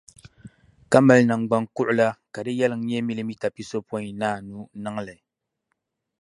ka mali naŋgbankuɣila ka di yɛliŋ nyɛ milimita pisopɔinnaanu niŋ li.